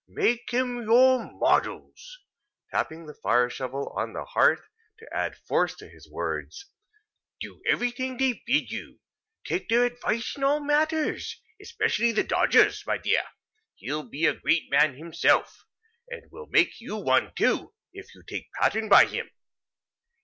Make 'em your models," tapping the fire shovel on the hearth to add force to his words; "do everything they bid you, and take their advice in all matters—especially the Dodger's, my dear. He'll be a great man himself, and will make you one too, if you take pattern by him.